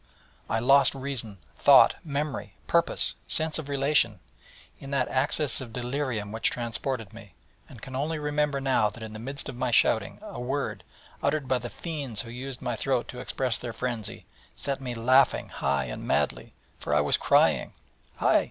I lost reason, thought, memory, purpose, sense of relation, in that access of delirium which transported me, and can only remember now that in the midst of my shouting, a word, uttered by the fiends who used my throat to express their frenzy, set me laughing high and madly: for I was crying: 'Hi!